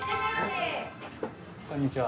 こんにちは。